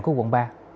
của quận ba